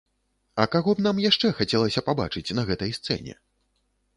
А каго б нам яшчэ хацелася пабачыць на гэтай сцэне?